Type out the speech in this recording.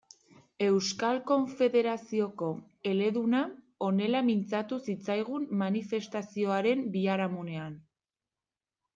Euskal Konfederazioko eleduna honela mintzatu zitzaigun manifestazioaren biharamunean.